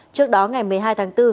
trước đó ngày một mươi hai tháng bốn